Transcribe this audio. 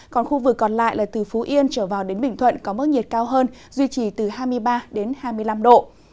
còn khu vực còn lại là từ phú yên trở vào đến bình thuận có mức nhiệt cao hơn duy trì từ hai mươi ba đến hai mươi năm độ